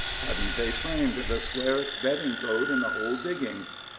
Hadn't they framed the squarest betting code in the whole diggings?